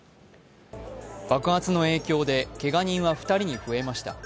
爆発の影響でけが人は２人に増えました。